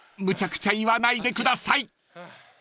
むちゃくちゃ言わないでください］